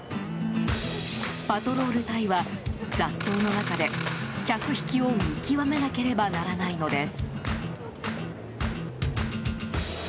パトロール隊は、雑踏の中で客引きを見極めなければならないのです。